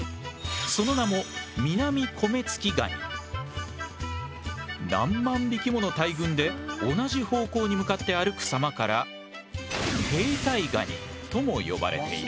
その名も何万匹もの大群で同じ方向に向かって歩く様から兵隊ガニとも呼ばれている。